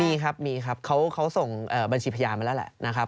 มีครับมีครับเขาส่งบัญชีพยานมาแล้วแหละนะครับ